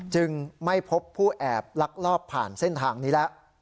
จึงไม่พบผู้แอบลักลอบผ่านเส้นทางนี้แล้ว